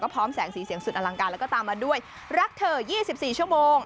พร้อมแสงสีเสียงสุดอลังการตามมาด้วยรักเธอยี่สิบสี่ชั่วโมง